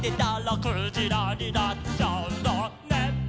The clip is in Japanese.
「くじらになっちゃうのね」